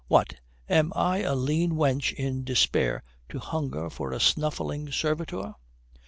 What, am I a lean wench in despair to hunger for a snuffling servitor?